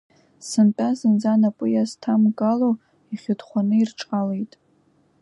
Сынтәа зынӡа напы иазҭамгало ихьыдхәаны ирҿалеит.